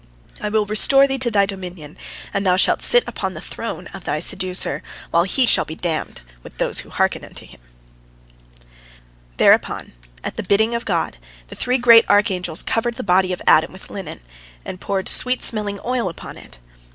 I will restore thee to thy dominion, and thou shalt sit upon the throne of thy seducer, while he shall be damned, with those who hearken unto him." Thereupon, at the bidding of God, the three great archangels covered the body of Adam with linen, and poured sweet smelling oil upon it.